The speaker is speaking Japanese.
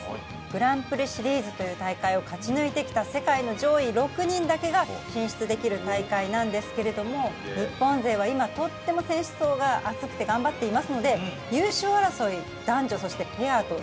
グランプリシリーズという大会を勝ち抜いてきた世界の上位６人だけが進出できる大会なんですけれども日本勢は今とっても選手層が厚くて頑張っていますので優勝争い男女そしてペアとしそうですのでね